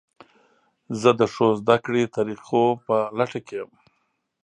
زه د ښو زده کړې طریقو په لټه کې یم.